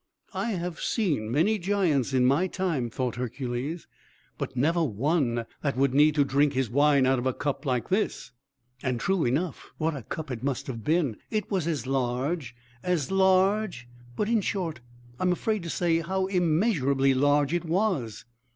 "I have seen many giants, in my time," thought Hercules, "but never one that would need to drink his wine out of a cup like this!" And, true enough, what a cup it must have been! It was as large as large but, in short, I am afraid to say how immeasurably large it was.